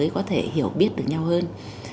có thể hiểu biết được nhau hơn